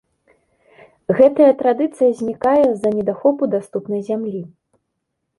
Гэтая традыцыя знікае з-за недахопу даступнай зямлі.